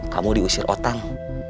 kamu diusir otang